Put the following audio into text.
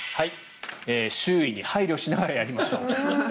周囲に配慮しながらやりましょう。